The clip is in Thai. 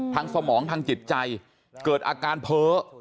สมองทางจิตใจเกิดอาการเพ้อ